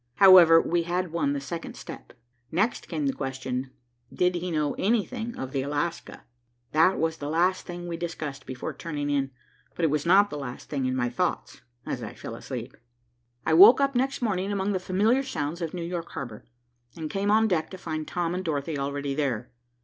However, we had won the second step. Next came the question, "Did he know anything of the Alaska?" That was the last thing we discussed before turning in, but it was not the last thing in my thoughts as I fell asleep. I woke up next morning among the familiar sounds of New York harbor, and came on deck to find Tom and Dorothy already there.